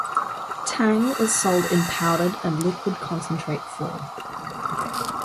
Tang is sold in powdered and liquid-concentrate form.